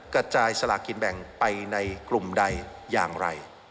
กระจายสลากินแบ่งไปในกลุ่มใดอย่างไร